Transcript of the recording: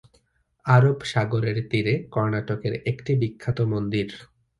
আরব সাগরের তীরে কর্ণাটকের একটি বিখ্যাত মন্দির।